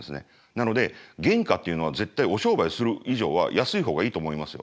なので原価っていうのは絶対お商売する以上は安いほうがいいと思いますよ。